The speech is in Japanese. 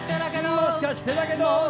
もしかしてだけど。